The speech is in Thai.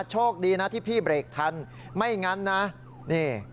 โชคดีนะที่พี่เบรกทันไม่งั้นนะนี่